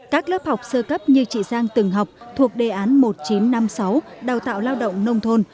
các lớp học sơ cấp như chị giang từng học thuộc đề án một nghìn chín trăm năm mươi sáu đào tạo lao động nông thôn